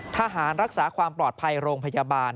ทหารรักษาความปลอดภัยโรงพยาบาล